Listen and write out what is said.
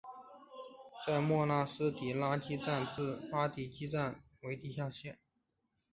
在莫纳斯蒂拉基站至阿蒂基站为地下线。